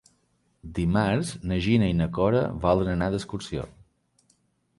Dimarts na Gina i na Cora volen anar d'excursió.